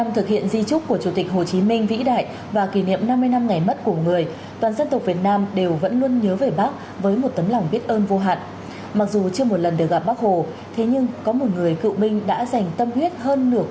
thực tiễn cho thấy trong bất cứ giai đoạn cách mạng nào của đất nước